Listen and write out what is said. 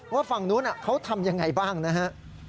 ว่าฝั่งโน้นน่ะเขาทำอย่างไรบ้างนะฮะ